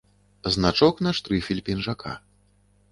Значок на штрыфель пінжака.